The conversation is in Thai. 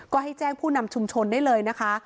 ก็ให้แจ้งผู้นำชุมชนได้เลยนะคะ